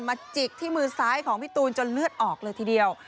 จิกที่มือซ้ายของพี่ตูนจนเลือดออกเลยทีเดียว